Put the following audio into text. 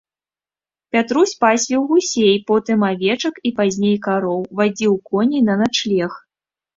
Пятрусь пасвіў гусей, потым авечак і пазней кароў, вадзіў коней на начлег.